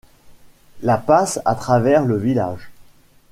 La passe à travers le village.